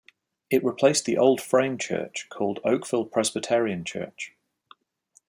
It replaced the old frame church, called Oakville Presbyterian Church.